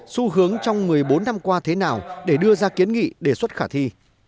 xu hướng trong một mươi bốn năm qua thế nào để đưa ra kiến nghị đề xuất khả thi